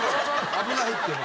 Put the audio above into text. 危ないってば。